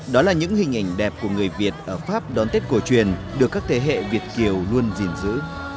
đó là những hình ảnh đẹp của người việt ở pháp đón tết cổ truyền được các thế hệ việt kiều luôn gìn giữ